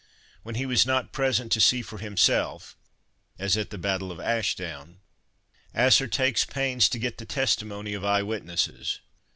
When he was not present to see for himself, as at the battle of Ashdown, Asser takes pains to get the testimony of eye witnesses.